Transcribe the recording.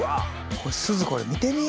これすずこれ見てみ！